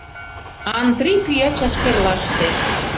Антри пӱя чашкерлаште